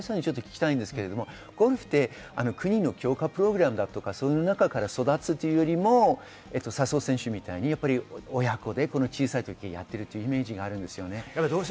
阿部さん、ゴルフって国の強化プログラムとか、その中から育つというよりも笹生選手みたいに親子で小さい時からやっているというイメージがあります。